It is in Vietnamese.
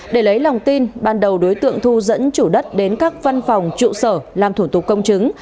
để lấy lòng tin ban đầu đối tượng thu dẫn chủ đất đến các văn phòng trụ sở làm thủ tục công chứng